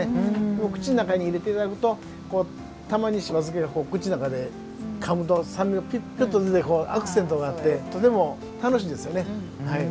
口の中に入れていただくとしば漬けが口の中で酸味が出てアクセントがあってとても楽しいですよね。